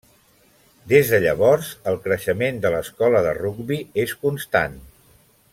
Des de llavors, el creixement de l’Escola de Rugbi és constant.